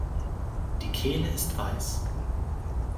Die Kehle ist weiß.